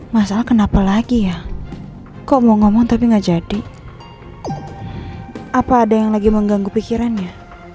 masalah kenapa lagi ya kok mau ngomong tapi gak jadi apa ada yang lagi mengganggu pikirannya